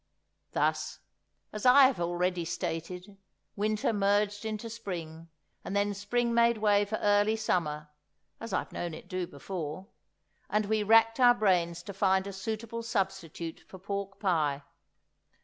Thus, as I have already stated, winter merged into spring; and then spring made way for early summer (as I've known it do before), and we racked our brains to find a suitable substitute for pork pie.